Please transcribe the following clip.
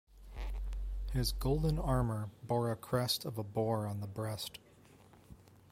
His golden armor bore a crest of a boar on the breast.